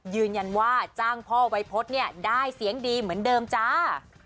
ยืนยันว่าจ้างพ่อวัยพฤษเนี่ยได้เสียงดีเหมือนเดิมจ้า